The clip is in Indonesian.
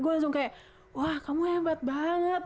gue langsung kayak wah kamu hebat banget